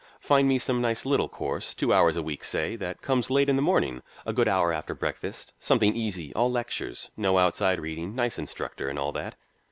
Find me some nice little course, two hours a week, say, that comes late in the morning, a good hour after breakfast; something easy, all lectures, no outside reading, nice instructor and all that."